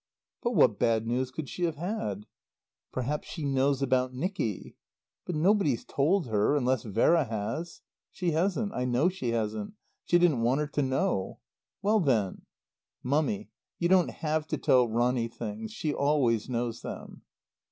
"But what bad news could she have had?" "Perhaps she knows about Nicky." "But nobody's told her, unless Vera has." "She hasn't. I know she hasn't. She didn't want her to know." "Well, then " "Mummy, you don't have to tell Ronny things. She always knows them."